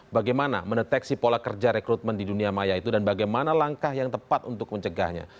bagaimana mendeteksi pola kerja rekrutmen di dunia maya itu dan bagaimana langkah yang tepat untuk mencegahnya